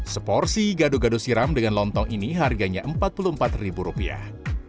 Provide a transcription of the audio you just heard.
seporsi gado gado siram dengan lontong ini harganya empat puluh empat ribu rupiah